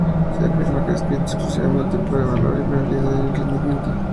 Se afirma que se ha escrito exclusivamente para evaluar la viabilidad y el rendimiento.